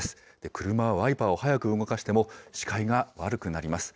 車はワイパーを速く動かしても、視界が悪くなります。